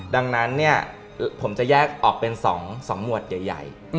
ดังนั้นเนี่ยผมจะแยกออกเป็น๒หมวดใหญ่